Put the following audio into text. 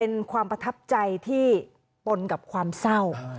เป็นความประทับใจที่ปนกับความเศร้า